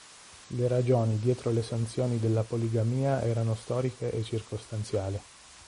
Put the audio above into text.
Le ragioni dietro le sanzioni della poligamia erano storiche e circostanziali.